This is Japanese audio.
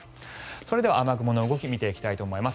それでは雨雲の動きを見ていきます。